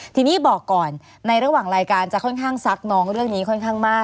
ทีนี้บอกก่อนในระหว่างรายการจะค่อนข้างซักน้องเรื่องนี้ค่อนข้างมาก